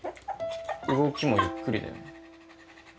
動きもゆっくりだよね。